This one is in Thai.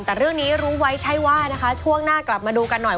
แต่เรื่องนี้รู้ไว้ใช่ว่านะคะช่วงหน้ากลับมาดูกันหน่อย